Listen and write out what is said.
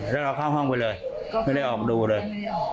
แล้วเราเข้าห้องไปเลยไม่ได้ออกมาดูเลย